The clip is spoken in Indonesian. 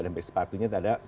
sampai sepatunya tidak ada